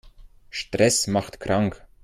Stress macht krank.